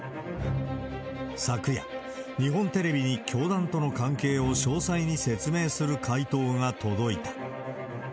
昨夜、日本テレビに教団との関係を詳細に説明する回答が届いた。